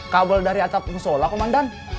kabel dari atap musola komandan